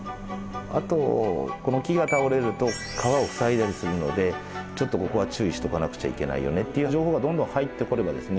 あとこの木が倒れると川を塞いだりするのでちょっとここは注意しとかなくちゃいけないよねっていう情報がどんどん入ってくればですね